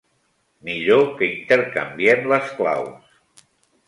Millor que intercanviem les claus.